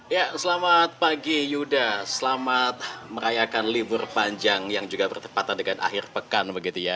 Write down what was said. ya selamat pagi yuda selamat merayakan libur panjang yang juga bertepatan dengan akhir pekan begitu ya